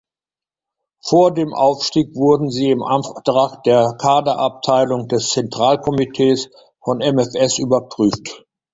Vor dem Aufstieg wurden sie im Auftrag der Kaderabteilung des Zentralkomitees vom MfS überprüft.